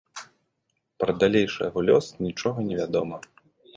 Пра далейшы яго лёс нічога невядома.